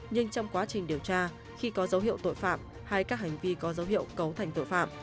nhưng trong quá trình điều tra khi có dấu hiệu tội phạm hay các hành vi có dấu hiệu cấu thành tội phạm